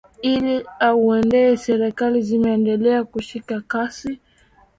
ili aunde serikali zimeendelea kushika kasi